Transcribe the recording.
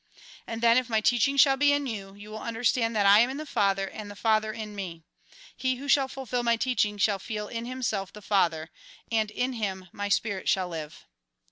And then, if my teaching shall be in you, you will understand that I am in the Father and the Father in me. He who shall fulfil my teaching, shall feel in himself the Father ; and in him my spirit shall live."